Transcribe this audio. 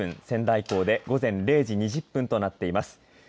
仙台港で午前０時２０分となっています。